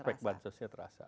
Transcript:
aspek bancosnya terasa